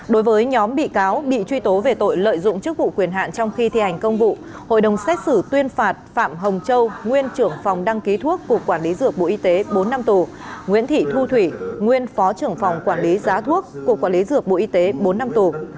đối với nhóm bị cáo bị truy tố về tội lợi dụng chức vụ quyền hạn trong khi thi hành công vụ hội đồng xét xử tuyên phạt phạm hồng châu nguyên trưởng phòng đăng ký thuốc cục quản lý dược bộ y tế bốn năm tù nguyễn thị thu thủy nguyên phó trưởng phòng quản lý giá thuốc cục quản lý dược bộ y tế bốn năm tù